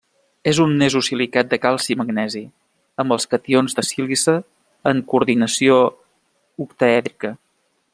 És un nesosilicat de calci i magnesi, amb els cations de sílice en coordinació octaèdrica.